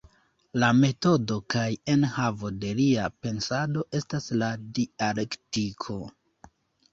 La metodo kaj enhavo de lia pensado estas la dialektiko.